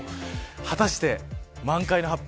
果たして満開の発表